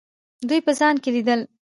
دوی په ځان کې لیدل.